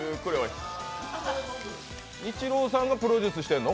ニッチローさんがプロデュースしてるの？